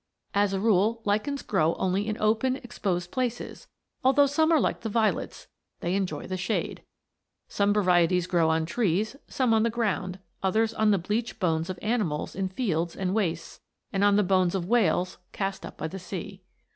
As a rule lichens grow only in open, exposed places, although some are like the violets they enjoy the shade. Some varieties grow on trees, some on the ground, others on the bleached bones of animals in fields and wastes and on the bones of whales cast up by the sea.